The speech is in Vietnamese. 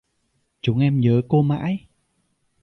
Chúng em nhớ cô mãi